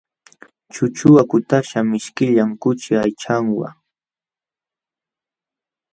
Chuchuqa kutaśhqa mishkillam kuchi aychanwa.